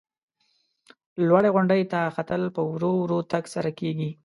لوړې غونډۍ ته ختل په ورو ورو تگ سره کیږي.